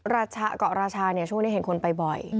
เกาะราชาเนี่ยช่วงนี้เห็นคนไปบ่อย